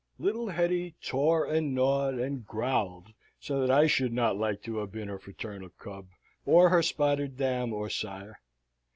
Little Hetty tore and gnawed, and growled, so that I should not like to have been her fraternal cub, or her spotted dam or sire.